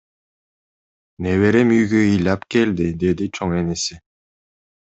Неберем үйгө ыйлап келди, — деди чоң энеси.